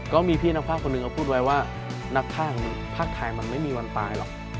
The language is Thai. ก็มีพี่นักภาคคนหนึ่งเขาพูดไว้ว่านักภาคไทยมันไม่มีวันตายหรอก